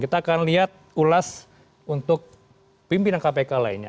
kita akan lihat ulas untuk pimpinan kpk lainnya